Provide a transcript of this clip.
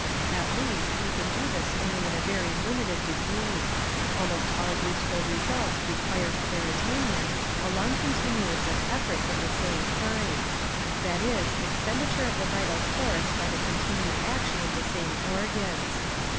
At least, we can do this only in a very limited degree. Almost all useful results require for their attainment a long continuance of efforts of the same kind that is, expenditure of the vital force by the continued action of the same organs.